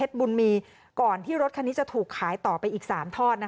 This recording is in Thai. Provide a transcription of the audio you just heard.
บุญมีก่อนที่รถคันนี้จะถูกขายต่อไปอีก๓ทอด